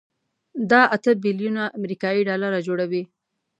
دا اته بيلیونه امریکایي ډالره جوړوي.